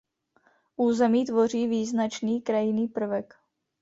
Území tvoří význačný krajinný prvek.